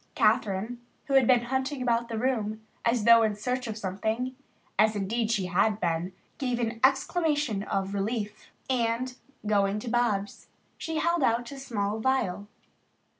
Kathryn, who had been hunting about the room as though in search of something, as indeed she had been, gave an exclamation of relief and, going to Bobs, she held out a small vial.